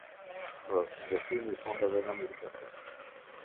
B Investimi i fondeve në mirëbesim.